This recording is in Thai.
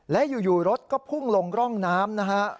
และอยู่รถก็พุ่งลงร่องน้ำนะฮะ